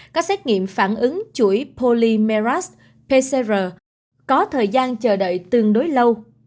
các xét nghiệm phản ứng chuỗi polymerat pcr có thời gian chờ đợi tương đối lâu